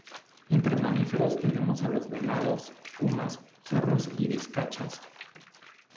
Entre los mamíferos tenemos a los venados, pumas, zorros y vizcachas.